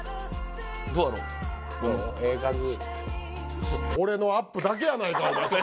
ええ感じ？